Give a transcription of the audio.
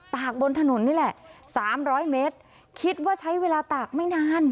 กบนถนนนี่แหละสามร้อยเมตรคิดว่าใช้เวลาตากไม่นาน